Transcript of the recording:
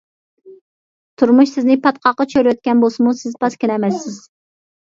تۇرمۇش سىزنى پاتقاققا چۆرۈۋەتكەن بولسىمۇ، سىز پاسكىنا ئەمەسسىز.